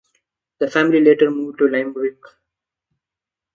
The family later moved to Limerick.